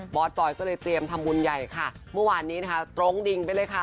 สปอยก็เลยเตรียมทำบุญใหญ่ค่ะเมื่อวานนี้นะคะตรงดิงไปเลยค่ะ